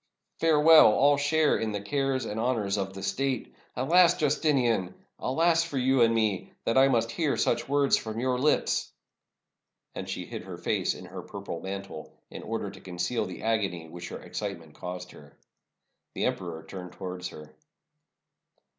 Farewell all share in the cares and honors of the state ! Alas, Justinian ! alas for you and me, that I must hear such words from your lips!" And she hid her face in her purple mantle, in order to conceal the agony which her excitement caused her. The emperor turned towards her.